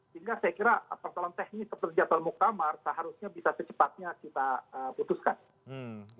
sehingga saya kira persoalan teknis seperti jadwal muktamar seharusnya bisa secepatnya kita putuskan